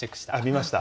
見ました？